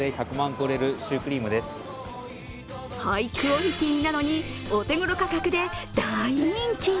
ハイクオリティーなのにお手頃価格で大人気。